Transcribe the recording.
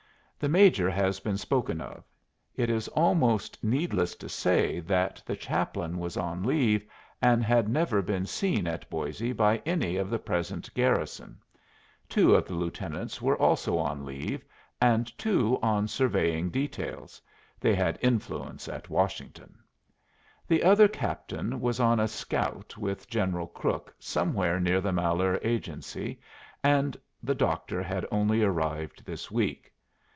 The major has been spoken of; it is almost needless to say that the chaplain was on leave, and had never been seen at Boisé by any of the present garrison; two of the lieutenants were also on leave, and two on surveying details they had influence at Washington; the other captain was on a scout with General Crook somewhere near the Malheur Agency, and the doctor had only arrived this week.